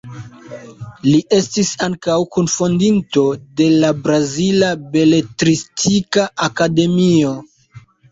Li estis ankaŭ kunfondinto de la Brazila Beletristika Akademio.